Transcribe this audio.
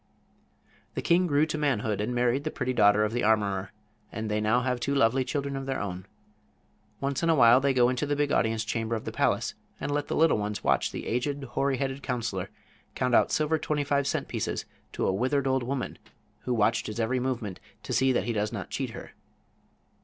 The king grew to manhood and married the pretty daughter of the armorer, and they now have two lovely children of their own. Once in awhile they go into the big audience chamber of the palace and let the little ones watch the aged, hoary headed counselor count out silver twenty five cent pieces to a withered old woman, who watched his every movement to see that he does not cheat her.